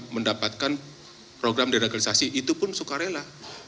mendapatkan program deradikalisasi itu pun suka rela